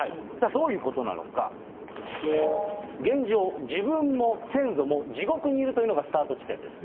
どういうことなのか、現状、自分も先祖も地獄にいるというのがスタート地点です。